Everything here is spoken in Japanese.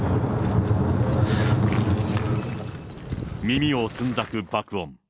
耳をつんざく爆音。